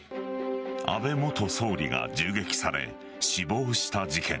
安倍元総理が銃撃され死亡した事件。